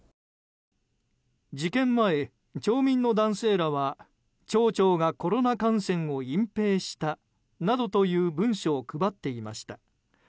事件前、町民の男性らは町長がコロナ感染を隠蔽したなどという文書を配っていました。